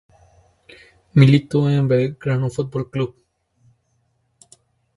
Militó en Belgrano Football Club.